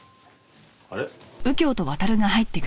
あれ？